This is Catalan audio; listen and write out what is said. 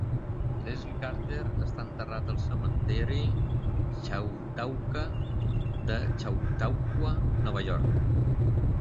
Leslie Carter està enterrat al cementeri Chautauqua de Chautauqua, Nova York.